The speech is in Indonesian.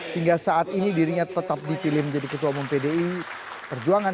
hingga saat ini dirinya tetap dipilih menjadi ketua umum pdi perjuangan